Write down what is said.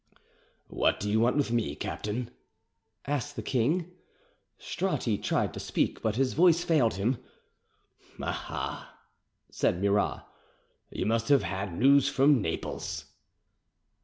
"What do you want with me, captain?" asked the king. Stratti tried to speak, but his voice failed him. "Ah ha!" said Murat, "you must have had news from Naples."